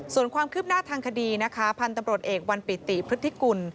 ส่วนความคืบหน้าทางคดีนะคะพันธุ์ตำรวจเอกวันปิติพฤติกุล